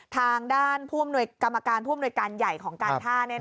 ทางด้านกรรมการผู้อำนวยการใหญ่ของการท่า